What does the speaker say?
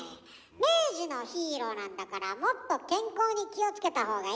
明治のヒーローなんだからもっと健康に気を付けたほうがいいんじゃないの？